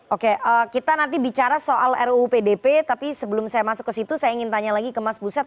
oke kita nanti bicara soal ruu pdp tapi sebelum saya masuk ke situ saya ingin tanya lagi ke mas buset